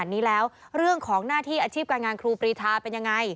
นี้แล้วเรื่องของหน้าที่อาชีพการงานครูปรีชาเป็นยังไง